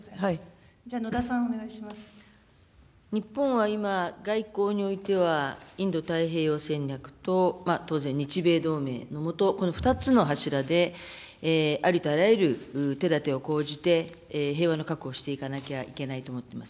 野田さん、日本は今、外交においては、インド太平洋戦略と当然、日米同盟の下、この２つの柱で、ありとあらゆる手だてを講じて、平和を確保していかなきゃいけないと思っております。